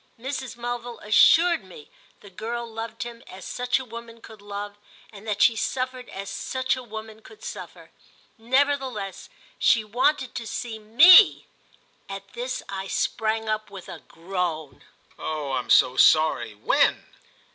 Mrs. Mulville assured me the girl loved him as such a woman could love and that she suffered as such a woman could suffer. Nevertheless she wanted to see me. At this I sprang up with a groan. "Oh I'm so sorry!—when?"